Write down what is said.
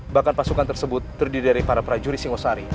bahkan pasukan tersebut terdiri dari para prajurit singgoh sari